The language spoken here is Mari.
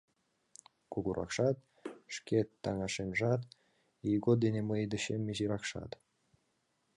Кугуракшат, шке таҥашемжат, ийгот дене мый дечем изиракшат.